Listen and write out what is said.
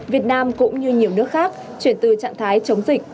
việt nam cũng như nhiều nước khác chuyển từ trạng thái chống dịch